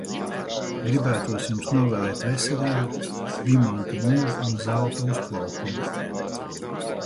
Gribētos jums novēlēt veselību, dimanta mūžu un zelta uzplaukumu.